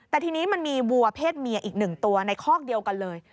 แต่ทีนี้มันมีวัวเพศเมียอีกหนึ่งตัวในคอกเดียวกันเลย